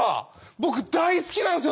僕大好きなんですよ